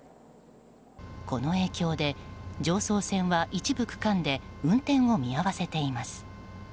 この影響で常総線は一部区間で運転を見合わせています